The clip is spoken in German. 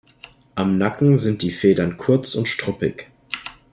Am Nacken sind die Federn kurz und struppig.